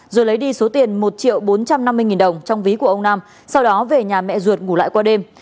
rồi lấy đi số tiền một triệu bốn trăm năm mươi nghìn đồng trong ví của ông nam sau đó về nhà mẹ ruột ngủ lại qua đêm